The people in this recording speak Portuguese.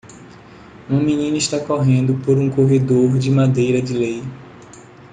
Uma menina está correndo por um corredor de madeira de lei